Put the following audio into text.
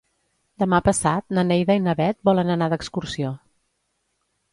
Demà passat na Neida i na Bet volen anar d'excursió.